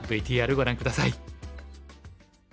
ＶＴＲご覧下さい。